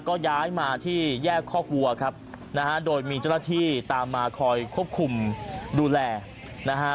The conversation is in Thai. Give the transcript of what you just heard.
ก็ย้ายมาที่แยกคอกวัวครับนะฮะโดยมีเจ้าหน้าที่ตามมาคอยควบคุมดูแลนะฮะ